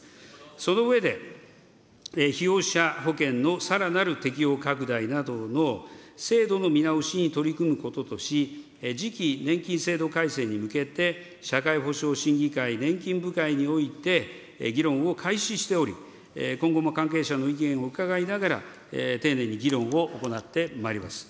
その上で、被用者保険のさらなる適用拡大などの制度の見直しに取り組むこととし、次期年金制度改正に向けて、社会保障審議会年金部会において、議論を開始しており、今後も関係者の意見を伺いながら、丁寧に議論を行ってまいります。